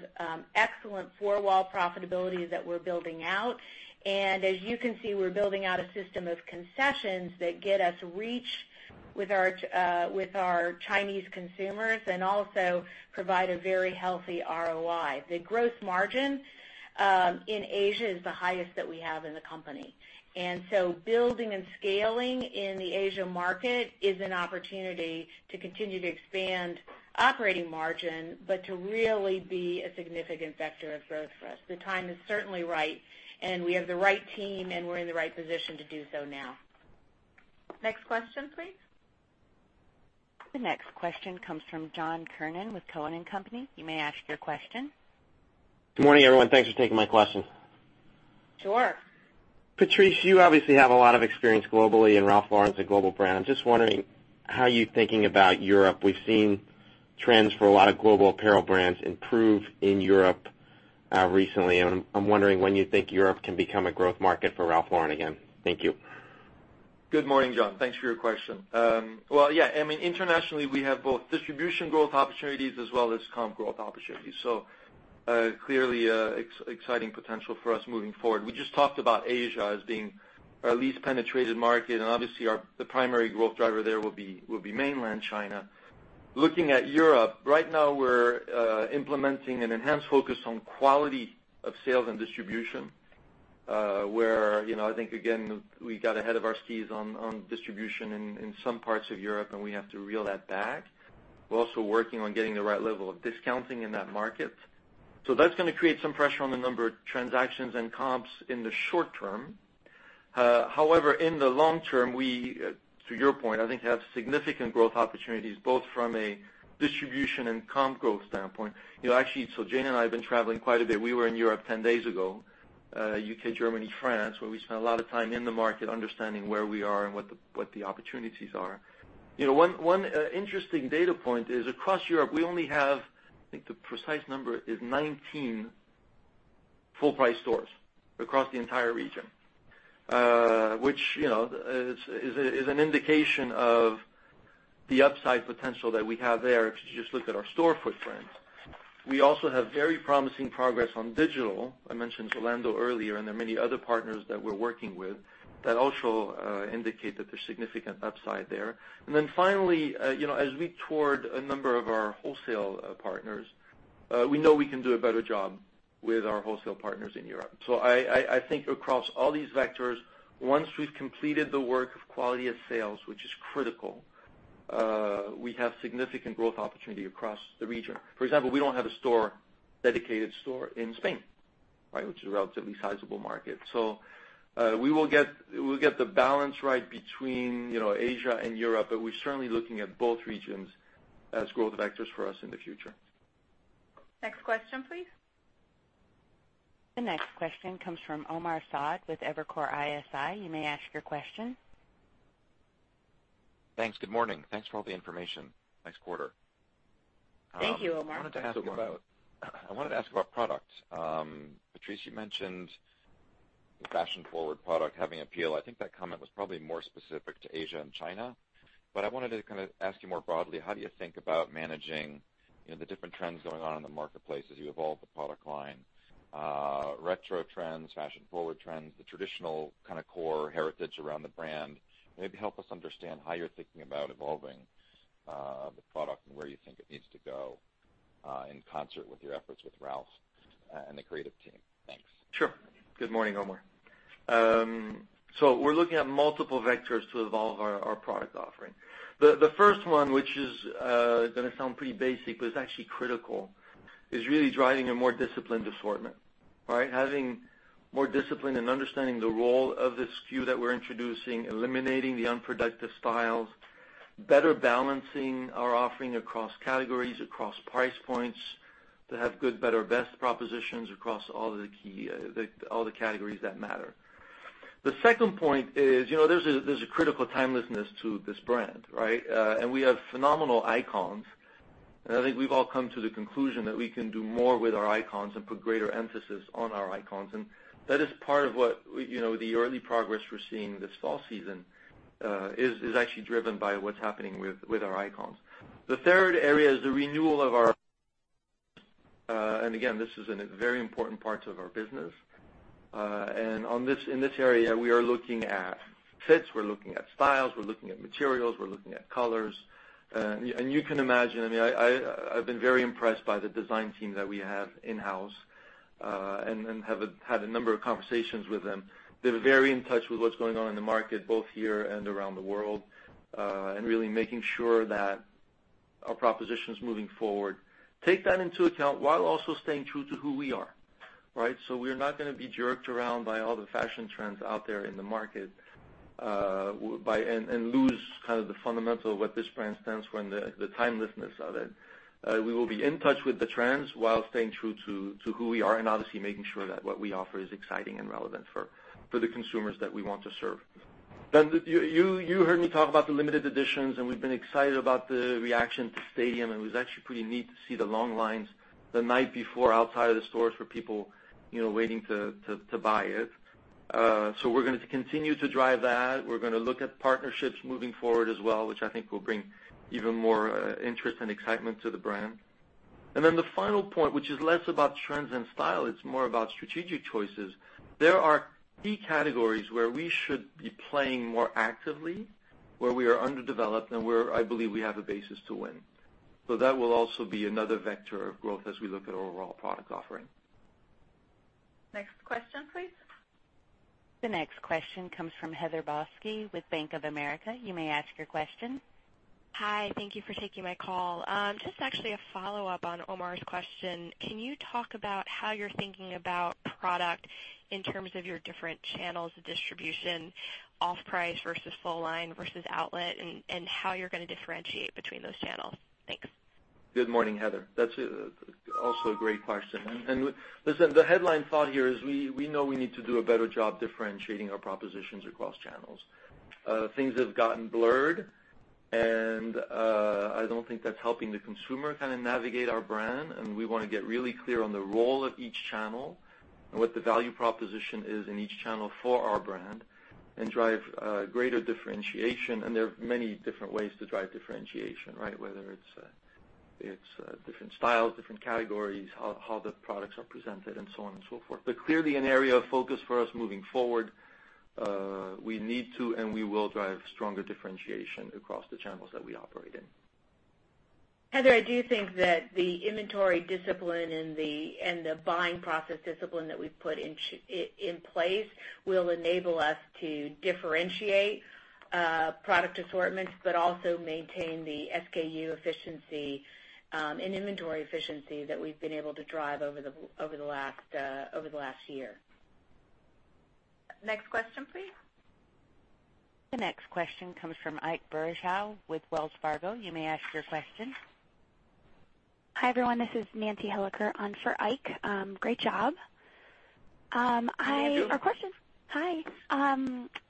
excellent four-wall profitability that we're building out. As you can see, we're building out a system of concessions that get us reach with our Chinese consumers, and also provide a very healthy ROI. The gross margin in Asia is the highest that we have in the company. So building and scaling in the Asia market is an opportunity to continue to expand operating margin, but to really be a significant vector of growth for us. The time is certainly right, and we have the right team, and we're in the right position to do so now. Next question, please. The next question comes from John Kernan with Cowen and Company. You may ask your question. Good morning, everyone. Thanks for taking my question. Sure. Patrice, you obviously have a lot of experience globally, and Ralph Lauren's a global brand. I'm just wondering how you're thinking about Europe. We've seen trends for a lot of global apparel brands improve in Europe recently, and I'm wondering when you think Europe can become a growth market for Ralph Lauren again. Thank you. Good morning, John. Thanks for your question. Well, yeah, internationally, we have both distribution growth opportunities as well as comp growth opportunities. Clearly, exciting potential for us moving forward. We just talked about Asia as being our least penetrated market, and obviously the primary growth driver there will be mainland China. Looking at Europe, right now we're implementing an enhanced focus on quality of sales and distribution, where I think again, we got ahead of our skis on distribution in some parts of Europe, and we have to reel that back. We're also working on getting the right level of discounting in that market. That's gonna create some pressure on the number of transactions and comps in the short term. However, in the long term, we, to your point, I think have significant growth opportunities, both from a distribution and comp growth standpoint. Actually, Jane and I have been traveling quite a bit. We were in Europe 10 days ago, U.K., Germany, France, where we spent a lot of time in the market understanding where we are and what the opportunities are. One interesting data point is across Europe, we only have, I think the precise number is 19 full-price stores across the entire region. Which is an indication of the upside potential that we have there if you just look at our store footprint. We also have very promising progress on digital. I mentioned Zalando earlier, and there are many other partners that we're working with that also indicate that there's significant upside there. Then finally, as we toured a number of our wholesale partners, we know we can do a better job with our wholesale partners in Europe. I think across all these vectors, once we've completed the work of quality of sales, which is critical, we have significant growth opportunity across the region. For example, we don't have a dedicated store in Spain, which is a relatively sizable market. We will get the balance right between Asia and Europe, but we're certainly looking at both regions as growth vectors for us in the future. Next question, please. The next question comes from Omar Saad with Evercore ISI. You may ask your question. Thanks. Good morning. Thanks for all the information this quarter. Thank you, Omar. I wanted to ask about product. Patrice, you mentioned the fashion-forward product having appeal. I think that comment was probably more specific to Asia and China. I wanted to kind of ask you more broadly, how do you think about managing the different trends going on in the marketplace as you evolve the product line? Retro trends, fashion-forward trends, the traditional kind of core heritage around the brand. Maybe help us understand how you're thinking about evolving the product and where you think it needs to go in concert with your efforts with Ralph and the creative team. Thanks. Sure. Good morning, Omar. We're looking at multiple vectors to evolve our product offering. The first one, which is gonna sound pretty basic, but it's actually critical, is really driving a more disciplined assortment. Having more discipline and understanding the role of the SKU that we're introducing, eliminating the unproductive styles, better balancing our offering across categories, across price points, to have good-better-best propositions across all the categories that matter. The second point is, there's a critical timelessness to this brand, right? We have phenomenal icons, and I think we've all come to the conclusion that we can do more with our icons and put greater emphasis on our icons. That is part of what the early progress we're seeing this fall season is actually driven by what's happening with our icons. The third area is the renewal of our. This is a very important part of our business. In this area, we are looking at fits, we're looking at styles, we're looking at materials, we're looking at colors. You can imagine, I've been very impressed by the design team that we have in-house, and have had a number of conversations with them. They're very in touch with what's going on in the market, both here and around the world, and really making sure that our proposition's moving forward. Take that into account while also staying true to who we are. We're not gonna be jerked around by all the fashion trends out there in the market, and lose kind of the fundamental of what this brand stands for and the timelessness of it. We will be in touch with the trends while staying true to who we are, and obviously making sure that what we offer is exciting and relevant for the consumers that we want to serve. You heard me talk about the limited editions, and we've been excited about the reaction to Stadium, and it was actually pretty neat to see the long lines the night before, outside of the stores were people waiting to buy it. We're going to continue to drive that. We're going to look at partnerships moving forward as well, which I think will bring even more interest and excitement to the brand. The final point, which is less about trends and style, it's more about strategic choices. There are key categories where we should be playing more actively, where we are underdeveloped, and where I believe we have a basis to win. That will also be another vector of growth as we look at our overall product offering. Next question, please. The next question comes from Heather Balsky with Bank of America. You may ask your question. Hi. Thank you for taking my call. Just actually a follow-up on Omar's question. Can you talk about how you're thinking about product in terms of your different channels of distribution, off-price versus full line versus outlet, and how you're going to differentiate between those channels? Thanks. Good morning, Heather. That's also a great question. Listen, the headline thought here is we know we need to do a better job differentiating our propositions across channels. Things have gotten blurred, and I don't think that's helping the consumer kind of navigate our brand. We want to get really clear on the role of each channel and what the value proposition is in each channel for our brand and drive greater differentiation. There are many different ways to drive differentiation, right? Whether it's different styles, different categories, how the products are presented, and so on and so forth. Clearly, an area of focus for us moving forward. We need to, and we will drive stronger differentiation across the channels that we operate in. Heather, I do think that the inventory discipline and the buying process discipline that we've put in place will enable us to differentiate product assortments, but also maintain the SKU efficiency and inventory efficiency that we've been able to drive over the last year. Next question, please. The next question comes from Ike Boruchow with Wells Fargo. You may ask your question. Hi, everyone. This is Nancy Hilliker on for Ike. Great job. Thank you. Hi.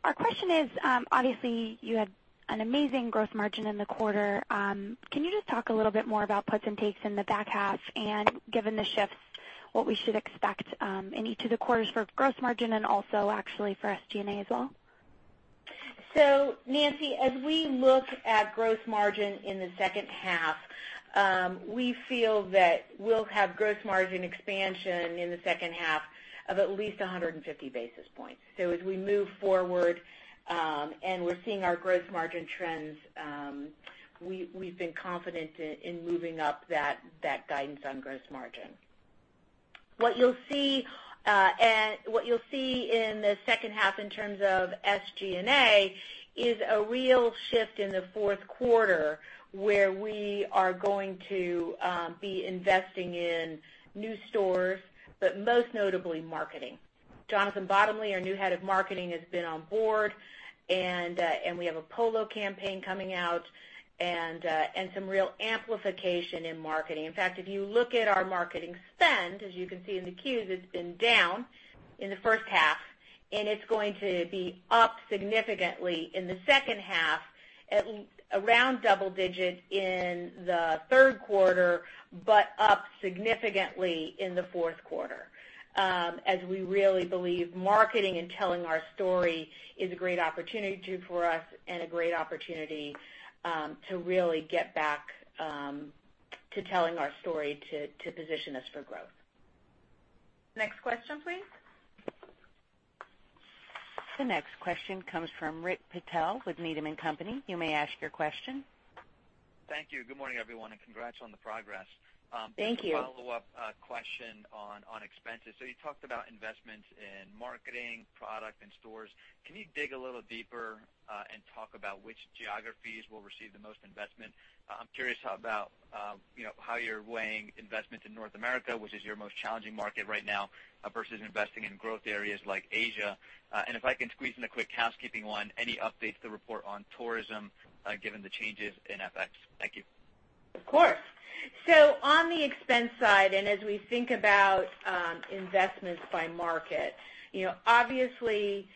Our question is, obviously, you had an amazing gross margin in the quarter. Can you just talk a little bit more about puts and takes in the back half and, given the shifts, what we should expect in each of the quarters for gross margin and also actually for SG&A as well? Nancy, as we look at gross margin in the second half, we feel that we'll have gross margin expansion in the second half of at least 150 basis points. As we move forward, and we're seeing our gross margin trends, we've been confident in moving up that guidance on gross margin. What you'll see in the second half in terms of SG&A is a real shift in the fourth quarter, where we are going to be investing in new stores, but most notably, marketing. Jonathan Bottomley, our new head of marketing, has been on board, and we have a Polo campaign coming out, and some real amplification in marketing. In fact, if you look at our marketing spend, as you can see in the Qs, it's been down in the first half, and it's going to be up significantly in the second half, around double-digit in the third quarter, but up significantly in the fourth quarter, as we really believe marketing and telling our story is a great opportunity for us and a great opportunity to really get back to telling our story to position us for growth. Next question, please. The next question comes from Rick Patel with Needham & Company. You may ask your question. Thank you. Good morning, everyone, and congrats on the progress. Thank you. Just a follow-up question on expenses. You talked about investments in marketing, product, and stores. Can you dig a little deeper and talk about which geographies will receive the most investment? I'm curious about how you're weighing investment in North America, which is your most challenging market right now, versus investing in growth areas like Asia. If I can squeeze in a quick housekeeping one, any updates to the report on tourism, given the changes in FX? Thank you. Of course. On the expense side, as we think about investments by market, obviously,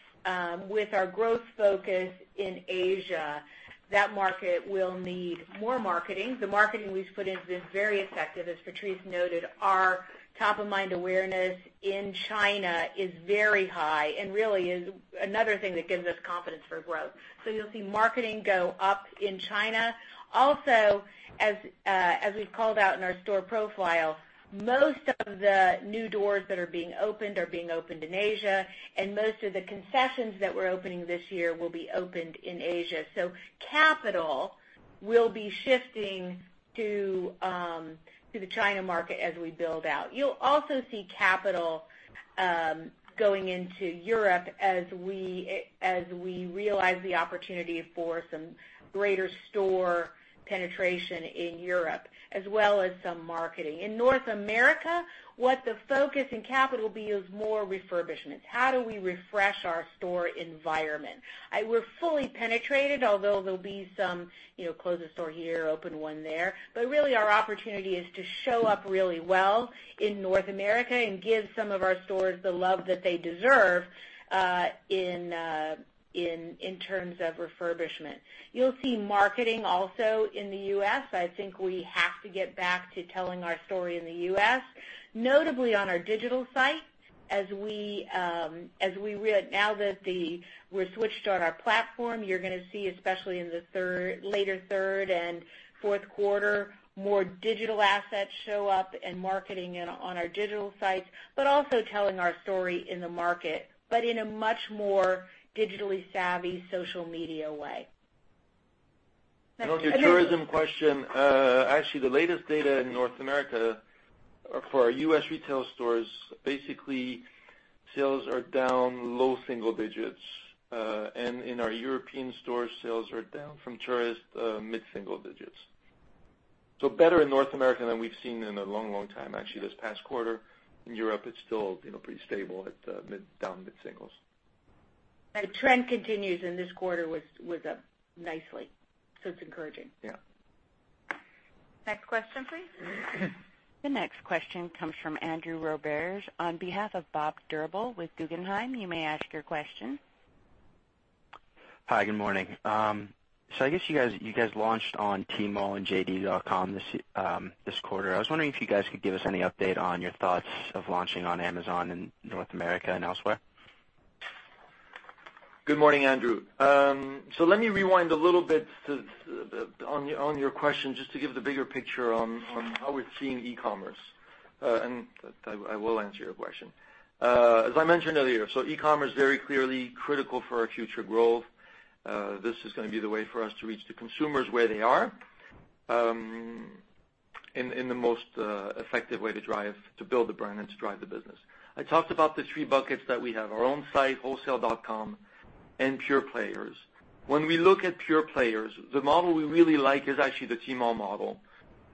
with our growth focus in Asia, that market will need more marketing. The marketing we've put in has been very effective. As Patrice noted, our top-of-mind awareness in China is very high and really is another thing that gives us confidence for growth. You'll see marketing go up in China. Also, as we've called out in our store profile, most of the new doors that are being opened are being opened in Asia, and most of the concessions that we're opening this year will be opened in Asia. Capital will be shifting to the China market as we build out. You'll also see capital going into Europe as we realize the opportunity for some greater store penetration in Europe, as well as some marketing. In North America, what the focus in capital will be is more refurbishments. How do we refresh our store environment? We're fully penetrated, although there'll be some close a store here, open one there. Really, our opportunity is to show up really well in North America and give some of our stores the love that they deserve in terms of refurbishment. You'll see marketing also in the U.S. I think we have to get back to telling our story in the U.S. notably on our digital sites. Now that we're switched on our platform, you're going to see, especially in the later third and fourth quarter, more digital assets show up and marketing on our digital sites, but also telling our story in the market, but in a much more digitally savvy social media way. On your tourism question, actually the latest data in North America for our U.S. retail stores, basically sales are down low single digits. In our European stores, sales are down from tourist, mid-single digits. Better in North America than we've seen in a long time, actually, this past quarter. In Europe, it's still pretty stable at down mid-singles. The trend continues, and this quarter was up nicely, so it's encouraging. Yeah. Next question, please. The next question comes from Andrew Roberts on behalf of Bob Drbul with Guggenheim. You may ask your question. Hi, good morning. I guess you guys launched on Tmall and JD.com this quarter. I was wondering if you guys could give us any update on your thoughts of launching on Amazon in North America and elsewhere. Good morning, Andrew. Let me rewind a little bit on your question just to give the bigger picture on how we're seeing e-commerce. I will answer your question. As I mentioned earlier, e-commerce very clearly critical for our future growth. This is going to be the way for us to reach the consumers where they are, in the most effective way to build the brand and to drive the business. I talked about the three buckets that we have, our own site, wholesale.com, and pure players. When we look at pure players, the model we really like is actually the Tmall model,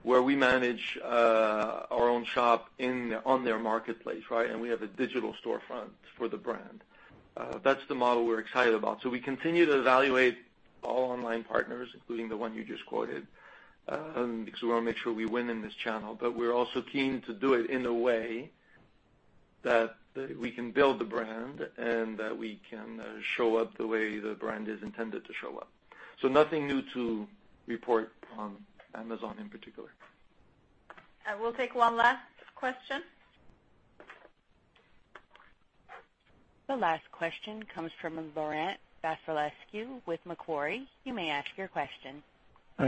where we manage our own shop on their marketplace, right? We have a digital storefront for the brand. That's the model we're excited about. We continue to evaluate all online partners, including the one you just quoted, because we want to make sure we win in this channel. We're also keen to do it in a way that we can build the brand and that we can show up the way the brand is intended to show up. Nothing new to report on Amazon in particular. We'll take one last question. The last question comes from Laurent Vasilescu with Macquarie. You may ask your question.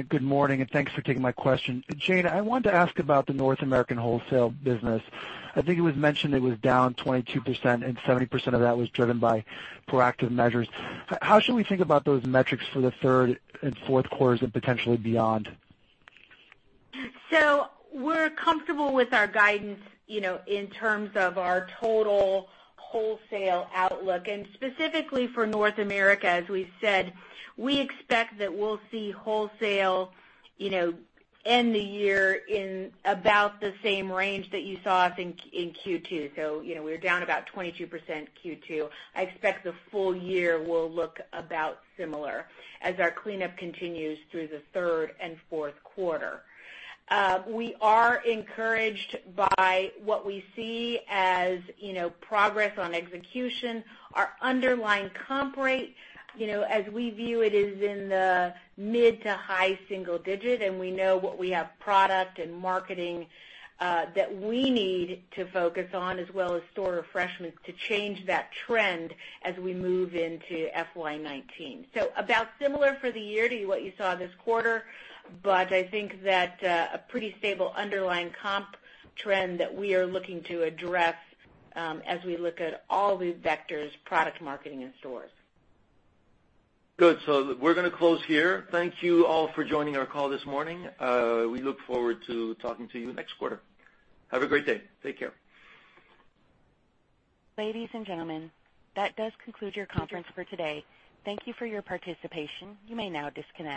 Good morning, and thanks for taking my question. Jane, I wanted to ask about the North American wholesale business. I think it was mentioned it was down 22%, and 70% of that was driven by proactive measures. How should we think about those metrics for the third and fourth quarters and potentially beyond? We're comfortable with our guidance in terms of our total wholesale outlook. Specifically for North America, as we've said, we expect that we'll see wholesale end the year in about the same range that you saw I think in Q2. We were down about 22% Q2. I expect the full year will look about similar as our cleanup continues through the third and fourth quarter. We are encouraged by what we see as progress on execution. Our underlying comp rate, as we view it, is in the mid to high single digit, and we know what we have product and marketing that we need to focus on as well as store refreshments to change that trend as we move into FY 2019. About similar for the year to what you saw this quarter. I think that a pretty stable underlying comp trend that we are looking to address as we look at all the vectors, product marketing, and stores. Good. We're going to close here. Thank you all for joining our call this morning. We look forward to talking to you next quarter. Have a great day. Take care. Ladies and gentlemen, that does conclude your conference for today. Thank you for your participation. You may now disconnect.